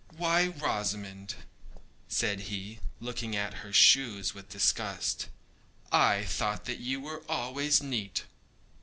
Why, Rosamond,' said he, looking at her shoes with disgust, 'I thought that you were always neat.